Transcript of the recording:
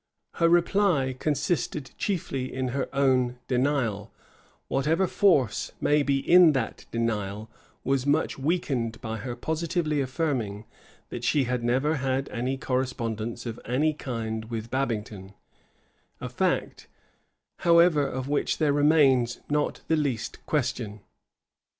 Her reply consisted chiefly in her own denial: whatever force may be in that denial was much weakened by her positively affirming, that she never had had any correspondence of any kind with Babington; a fact, however, of which there remains not the least question.